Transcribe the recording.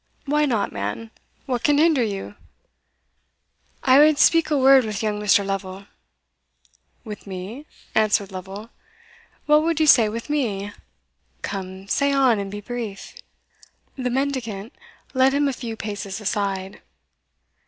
"Why not, man? what can hinder you?" "I wad speak a word wi' young Mr. Lovel." "With me?" answered Lovel: "what would you say with me? Come, say on, and be brief." The mendicant led him a few paces aside.